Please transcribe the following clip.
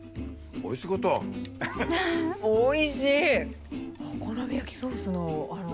おいしい！